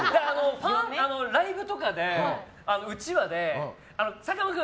ライブとかでうちわで、佐久間君